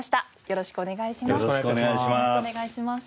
よろしくお願いします。